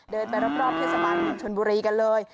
เดินไปรอบเทศบาลเมืองชนบุรีกันเลย